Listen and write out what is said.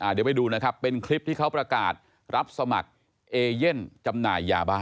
เดี๋ยวไปดูนะครับเป็นคลิปที่เขาประกาศรับสมัครเอเย่นจำหน่ายยาบ้า